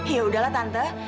ya udahlah tante